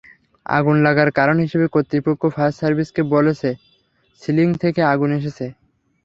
আগুন লাগার কারণ হিসেবে কর্তৃপক্ষ ফায়ার সার্ভিসকে বলেছে, সিলিং থেকে আগুন এসেছে।